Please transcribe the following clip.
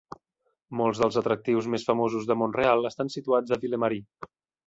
Molts dels atractius més famosos de Montreal estan situats a Ville-Marie.